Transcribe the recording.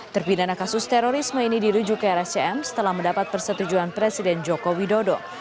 terpidana kasus terorisme ini dirujuk ke rscm setelah mendapat persetujuan presiden joko widodo